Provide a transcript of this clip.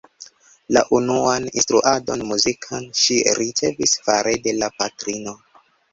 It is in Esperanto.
La unuan instruadon muzikan ŝi ricevis fare de la patrino.